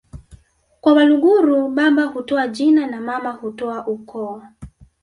kwa Waluguru baba hutoa jina na mama hutoa ukoo